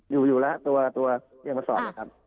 อยู่อยู่แล้วตัวเรียกมาสอบนะครับ